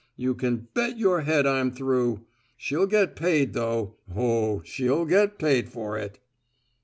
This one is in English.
You can bet your head I'm through! She'll get paid though! Oh, she'll get paid for it!"